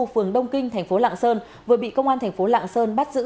phường đông kinh tp lạng sơn vừa bị công an tp lạng sơn bắt giữ